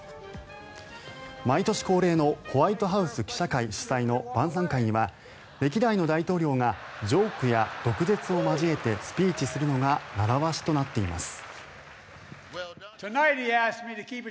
毎年恒例のホワイトハウス記者会主催の晩さん会には歴代の大統領がジョークや毒舌を交えてスピーチするのが習わしとなっています。